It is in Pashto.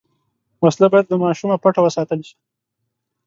وسله باید له ماشومه پټه وساتل شي